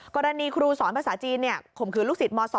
กรณีครูสอนภาษาจีนข่มขืนลูกศิษย์ม๒